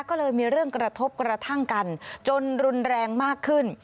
ก็เลยมีเรื่องกระทบกระทั่งกันจนรุนแรงมากขึ้น